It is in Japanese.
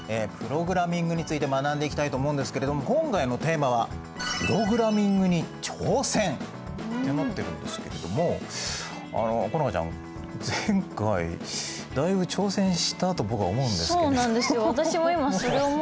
プログラミングについて学んでいきたいと思うんですけれど今回のテーマは「プログラミングに挑戦！」ってなってるんですけれどもあの好花ちゃん前回だいぶ挑戦したと僕は思うんですけれど。